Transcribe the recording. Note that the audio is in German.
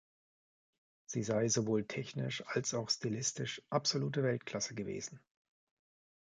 Sie sei „sowohl technisch als auch stilistisch absolute Weltklasse“ gewesen.